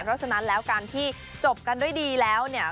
เพราะฉะนั้นแล้วการที่จบกันด้วยดีแล้วเนี่ย